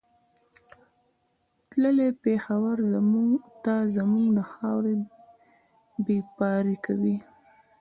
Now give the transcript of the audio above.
تللی پېښور ته زموږ د خاورې بېپاري کوي